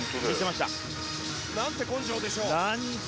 何て根性でしょう。